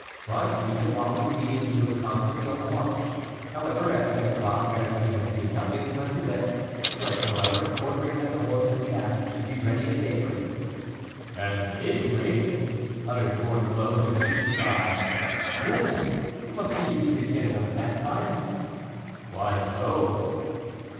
But even while he was eating he was constantly on the watch. However, at ten o'clock, as he had seen nothing, he went to bed, first, however, ordering that the horse and the ass should be ready at daybreak. "At daybreak?" uttered Gorenflot, with a deep sigh. "Yes; you must be used to getting up at that time." "Why so?"